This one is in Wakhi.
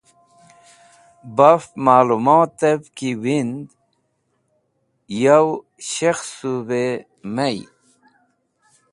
Baf molumotv ki wind yo shekhsũviy mey.